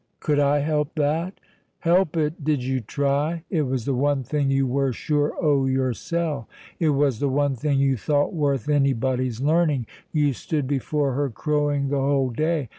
"Could I help that?" "Help it! Did you try? It was the one thing you were sure o' yoursel'; it was the one thing you thought worth anybody's learning. You stood before her crowing the whole day.